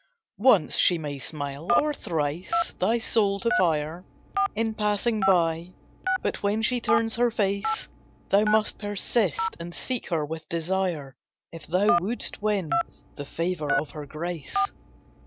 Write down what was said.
Once she may smile, or thrice, thy soul to fire, In passing by, but when she turns her face, Thou must persist and seek her with desire, If thou wouldst win the favour of her grace.